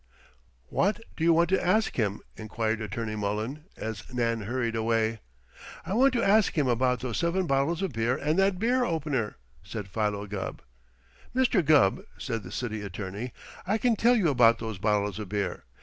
"What do you want to ask him?" inquired Attorney Mullen, as Nan hurried away. "I want to ask him about those seven bottles of beer and that beer opener," said Philo Gubb. "Mr. Gubb," said the City Attorney, "I can tell you about those bottles of beer.